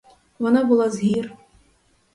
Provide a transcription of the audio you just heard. Вона була з гір.